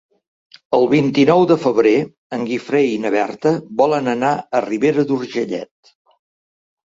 El vint-i-nou de febrer en Guifré i na Berta volen anar a Ribera d'Urgellet.